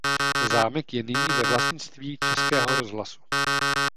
Zámek je nyní ve vlastnictví Českého rozhlasu.